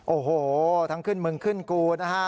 โอ้โหทั้งขึ้นมึงขึ้นกูนะฮะ